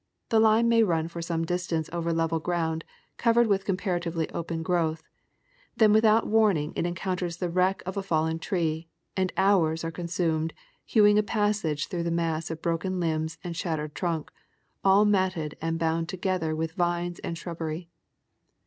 The line may run for some distance over level ground covered with a comparatively open growth, then without warn ing it encounters the wreck of a fallen tree, and hours are con sumed hewing a passage through the mass of broken limbs and shattered trunk, all matted and bound together with vines and shrubbery.